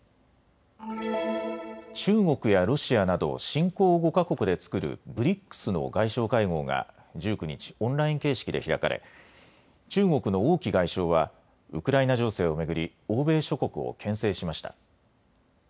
中国やロシアなど新興５か国で作るＢＲＩＣＳの外相会合が１９日、オンライン形式で開かれ中国の王毅外相はウクライナ情勢を巡り欧米諸国をけん制しました。